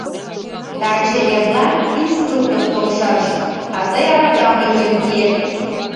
Таче-эрла инструктор толшаш, а тый аракам лӧкен киет...